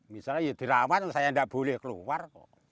misalnya dirawat saya tidak boleh keluar